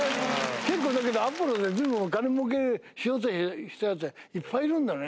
結構だけどアポロで随分金もうけしようとしたヤツいっぱいいるんだね。